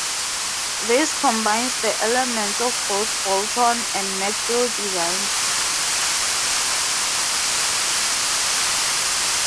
This combines the elements of both bolt-on and neck-through designs.